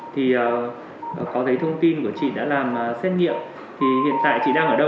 thì có thấy thông tin của chị đã làm xét nghiệm thì hiện tại chị đang ở đâu